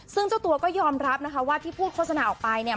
ซึ่งเจ้าตัวก็ยอมรับนะคะว่าที่พูดโฆษณาออกไปเนี่ย